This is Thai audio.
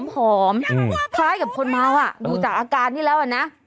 คล้ายกับคนเมาอ่ะดูจากอาการนี้แล้วอ่ะนะ